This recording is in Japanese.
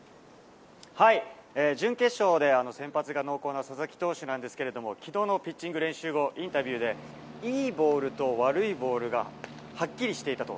準決勝で先発が濃厚な佐々木投手なんですけれども、きのうのピッチング練習後、インタビューで、いいボールと悪いボールがはっきりしていたと。